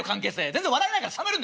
全然笑えないから冷めるんだよ